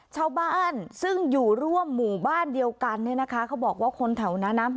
ชาวบ้านซึ่งอยู่ร่วมหมู่บ้านเดียวกันเนี่ยนะคะเขาบอกว่าคนแถวนั้นนะ